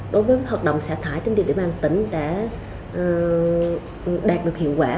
đối với hoạt động xả thải trên địa bàn tỉnh đã đạt được hiệu quả